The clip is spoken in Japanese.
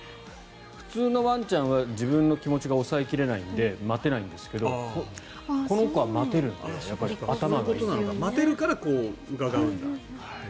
普通のワンちゃんは自分の気持ちが抑え切れないので待てないんですがこの子は待てるんで待てるからうかがうんだ。